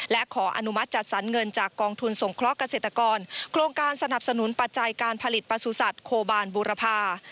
และขออนุมัติจัดสรรเงินจากกองทุนสงเคราะห์เกษตรกรโครงการสนับสนุนปัจจัยการผลิตประสุทธิ์โคบาลบูรพา